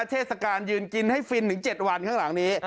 เทศกาลยืนกินให้ฟินถึง๗วันข้างหลังนี้